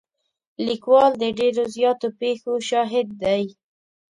لیکوال د ډېرو زیاتو پېښو شاهد دی.